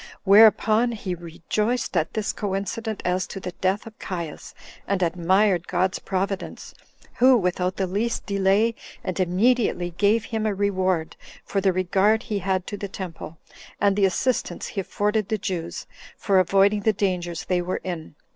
Whereupon he rejoiced at this coincidence as to the death of Caius, and admired God's providence, who, without the least delay, and immediately, gave him a reward for the regard he had to the temple, and the assistance he afforded the Jews for avoiding the dangers they were in.